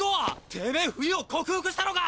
てめ冬を克服したのか？